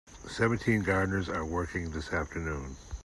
Seventeen gardeners are working this afternoon.